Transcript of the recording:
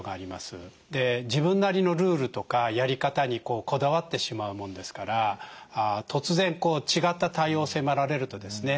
自分なりのルールとかやり方にこだわってしまうもんですから突然違った対応を迫られるとですね